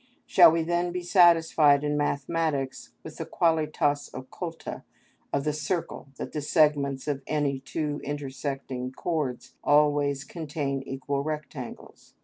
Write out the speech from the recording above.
Shall we then be satisfied in mathematics with the qualitas occulta of the circle that the segments of any two intersecting chords always contain equal rectangles?